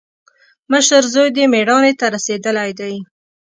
مشر زوی دې مېړانې ته رسېدلی دی.